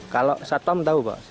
kalau satpam tau pak